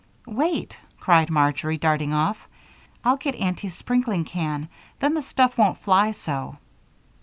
"Wait," cried Marjory, darting off, "I'll get Aunty's sprinkling can; then the stuff won't fly so."